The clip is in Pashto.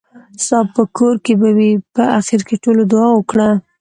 ستاپه کور کې به وي. په اخېر کې ټولو دعا وکړه .